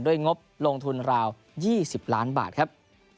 งบลงทุนราว๒๐ล้านบาทครับ